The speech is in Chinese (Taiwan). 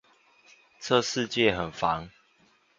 這世界很煩